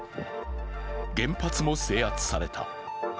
原発も制圧された。